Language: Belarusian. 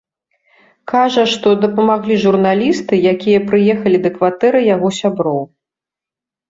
Кажа, што дапамаглі журналісты, якія прыехалі да кватэры яго сяброў.